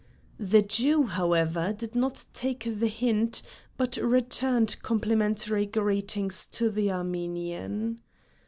The Jew, however, did not take the hint but returned complimentary greetings to the Armenian.